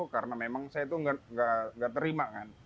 karena memang saya itu nggak terima kan